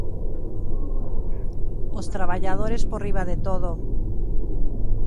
Os traballadores por riba de todo.